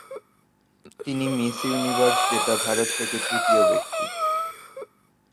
তিনি Miss Universe জেতা ভারত থেকে তৃতীয় ব্যক্তি।